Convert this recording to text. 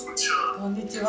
こんにちは。